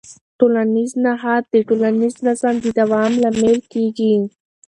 ټولنیز نهاد د ټولنیز نظم د دوام لامل کېږي.